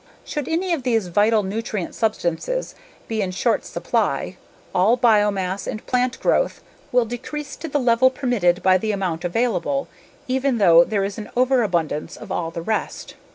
Should any of these vital nutrient substances be in short supply, all biomass and plant growth will decrease to the level permitted by the amount available, even though there is an overabundance of all the rest.